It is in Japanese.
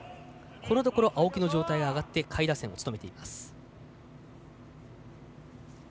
このところ青木の状態が上がってきたので下位打線を務めています。